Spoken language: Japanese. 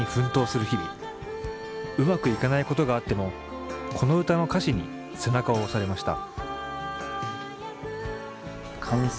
うまくいかないことがあってもこのウタの歌詞に背中を押されました。